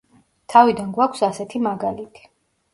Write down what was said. თავიდან გვაქვს ასეთი მაგალითი.